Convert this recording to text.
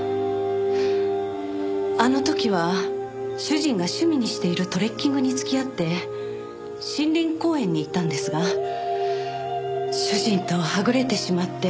あの時は主人が趣味にしているトレッキングに付き合って森林公園に行ったんですが主人とはぐれてしまって。